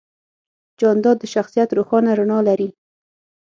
جانداد د شخصیت روښانه رڼا لري.